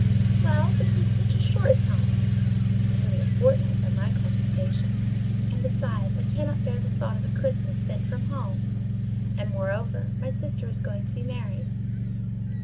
"Well, but it is such a short time." "Nearly a fortnight by my computation; and, besides, I cannot bear the thoughts of a Christmas spent from home: and, moreover, my sister is going to be married."